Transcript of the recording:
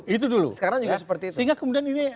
itu dulu sekarang juga seperti itu sehingga kemudian ini